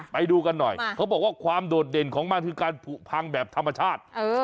ไปดูกันหน่อยเขาบอกว่าความโดดเด่นของมันคือการผูกพังแบบธรรมชาติ